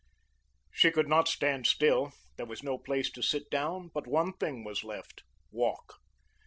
She could not stand still. There was no place to sit down; but one thing was left, walk.